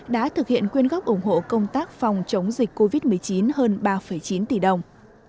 đã thực hiện quyên góp ủng hộ công tác phòng chống dịch covid một mươi chín hơn ba chín tỷ đồng